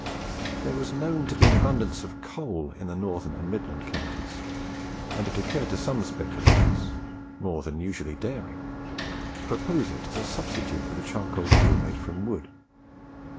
There was known to be an abundance of coal in the northern and midland counties, and it occurred to some speculators more than usually daring, to propose it as a substitute for the charcoal fuel made from wood.